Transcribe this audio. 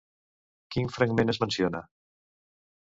Quin fragment es menciona?